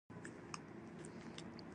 د قران په څېر مذهبي کتاب.